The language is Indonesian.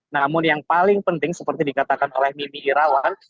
namun yang paling penting seperti dikatakan oleh mimi irawan